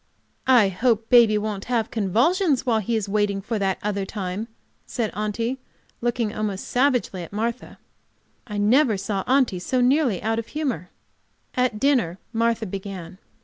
"I hope baby won't have convulsions while he is waiting for that other time," said Aunty, looking almost savagely at Martha. I never saw Aunty so nearly out of humor. At dinner Martha began.